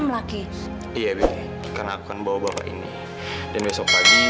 melaki iya karena aku akan bawa bapak ini dan besok pagi